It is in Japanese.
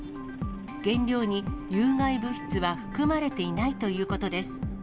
原料に有害物質は含まれていないということです。